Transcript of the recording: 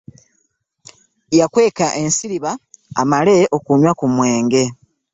Yakweka ensiriba amale okunywa ku mwenge.